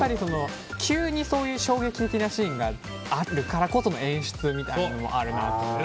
急に衝撃的なシーンがあるからこその演出みたいなのもあるなと思って。